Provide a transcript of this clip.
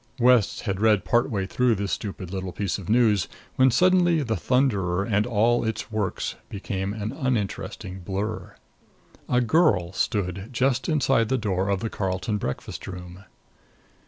West had read part way through this stupid little piece of news, when suddenly the Thunderer and all its works became an uninteresting blur. A girl stood just inside the door of the Carlton breakfast room.